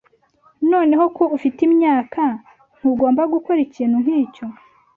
Noneho ko ufite imyaka , ntugomba gukora ikintu nkicyo.